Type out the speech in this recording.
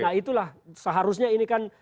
nah itulah seharusnya ini kan